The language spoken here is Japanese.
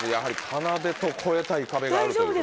かなでと越えたい壁があると。